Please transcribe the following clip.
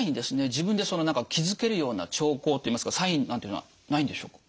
自分でその何か気付けるような兆候っていいますかサインなんていうのはないんでしょうか？